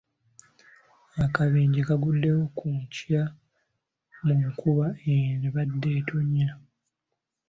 Akabenje kaguddewo ku nkya mu nkuba ebadde etonnya.